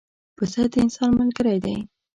پسه د انسان ملګری دی.